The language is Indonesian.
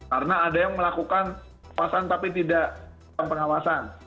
karena ada yang melakukan kekuasaan tapi tidak pengawasan